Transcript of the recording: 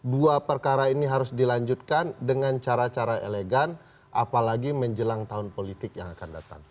dua perkara ini harus dilanjutkan dengan cara cara elegan apalagi menjelang tahun politik yang akan datang